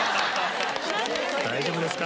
大丈夫ですか？